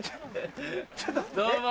どうも。